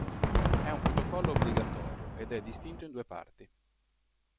È un protocollo obbligatorio ed è distinto in due parti.